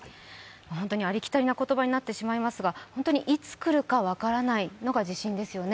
本当にありきたりな言葉になってしまいますがいつ来るか分からないのが地震ですよね。